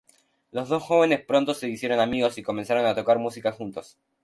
Los dos jóvenes pronto se hicieron amigos y comenzaron a tocar música juntos.